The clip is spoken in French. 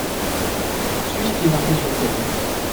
Suis ce qui est marqué sur le cahier.